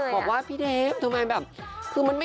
บอกว่าพี่เดชน์ทำไมแบบ